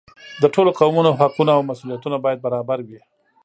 د ټولو قومونو حقونه او مسؤلیتونه باید برابر وي.